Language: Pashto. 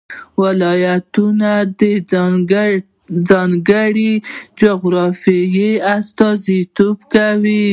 ولایتونه د ځانګړې جغرافیې استازیتوب کوي.